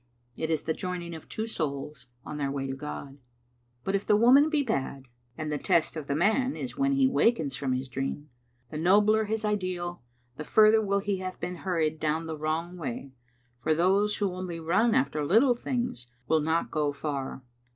It is the joining of two souls on their way to God. But if the woman be bad, the test of the man is when he wakens from his dream. The nobler his ideal, the further will he have been hurried down the wrong way, for those who only run after little things will not go far.